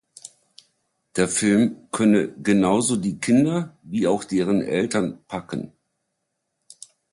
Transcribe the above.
Der Film könne genauso die Kinder, wie auch deren Eltern „packen“.